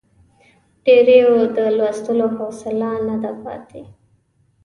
ډېریو د لوستلو حوصله نه ده پاتې.